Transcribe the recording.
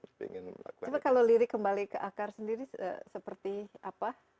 coba kalau lirik kembali ke akar sendiri seperti apa